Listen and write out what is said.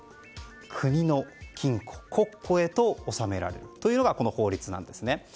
国の金庫、国庫へと収められるというのがこの法律なんです。